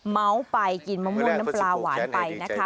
เมาส์ไปกินมะม่วงน้ำปลาหวานไปนะคะ